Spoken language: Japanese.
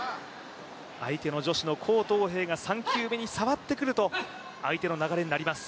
相手の女子の黄東萍が３球目に触ってくると、相手の流れになります。